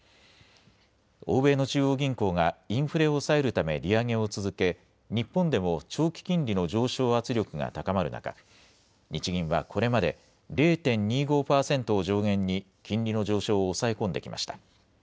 欧米の中央銀行がインフレを抑えるため利上げを続け日本でも長期金利の上昇圧力が高まる中、日銀はこれまで０．２５％を上限に金利の上昇を抑え込んできました。